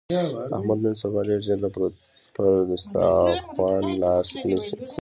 احمد نن سبا ډېر ژر له پر دستاخوان لاس نسي.